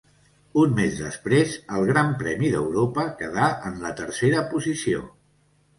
Un mes després al Gran Premi d'Europa, quedà en la tercera posició.